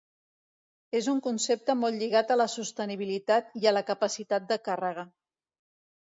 És un concepte molt lligat a la sostenibilitat i a la capacitat de càrrega.